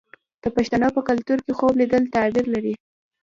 د پښتنو په کلتور کې خوب لیدل تعبیر لري.